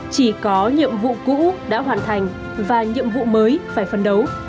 chỉ có nhiệm vụ cũ đã hoàn thành và nhiệm vụ mới phải phần đầu